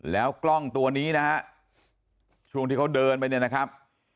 แล้วกล้องตัวนี้นะฮะช่วงที่เขาเดินไปเนี่ยนะครับ